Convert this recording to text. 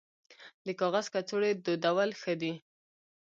د کاغذ کڅوړې دودول ښه دي